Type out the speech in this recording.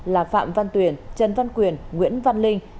là phạm văn tuyển trần văn quyền nguyễn văn linh